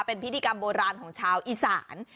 เป็นพิธีกรรมโบราณของชาวอีสาน